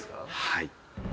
はい。